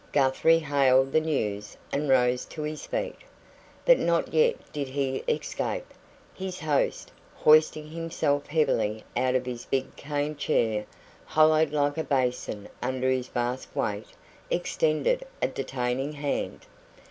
Guthrie hailed the news, and rose to his feet. But not yet did he escape. His host, hoisting himself heavily out of his big cane chair, hollowed like a basin under his vast weight, extended a detaining hand.